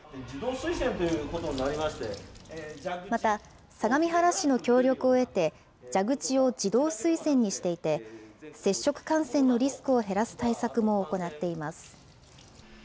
また相模原市の協力を得て、蛇口を自動水栓にしていて、接触感染のリスクを減らす対策も行っています。